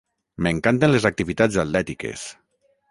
M'encanten les activitats atlètiques.